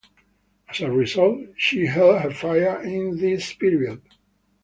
As a result, she held her fire in this period.